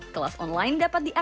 kelas online dapat diadaptasi